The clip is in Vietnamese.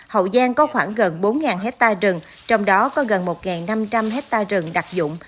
hậu giang có khoảng gần bốn hectare rừng trong đó có gần một năm trăm linh hectare rừng đặc dụng